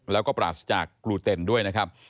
แล้วก็ปราศจากกลูเต็นด้วยนะครับ